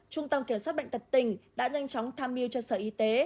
trung tâm kiểm soát bệnh tật tỉnh đã nhanh chóng tham mưu cho sở y tế